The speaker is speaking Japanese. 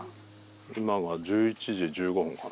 今が１１時１５分かな。